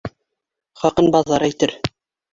Хаҡын баҙар әйтер.